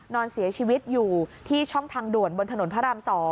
นอนเสียชีวิตอยู่ที่ช่องทางด่วนบนถนนพระราม๒